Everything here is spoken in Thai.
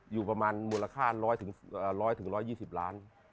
อยู่ประมาณมูลค่าร้อยถึง๑๒๐ล้าน